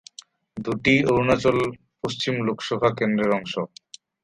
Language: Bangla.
দুটিই অরুণাচল পশ্চিম লোকসভা কেন্দ্রের অংশ।